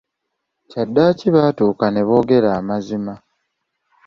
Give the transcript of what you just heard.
Kyaddaaki baatuuka n'eboogera amazima.